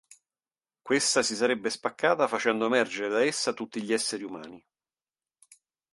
Questa si sarebbe spaccata facendo emergere da essa tutti gli esseri umani.